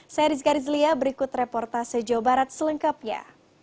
saya rizka rizlia berikut reportase jawa barat selengkapnya